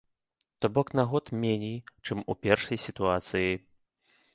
То бок на год меней, чым у першай сітуацыі.